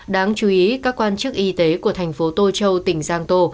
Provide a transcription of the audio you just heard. đáng chú ý các quan chức y tế của thành phố tô châu tỉnh giang tô